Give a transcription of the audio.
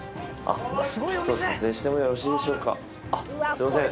すいません。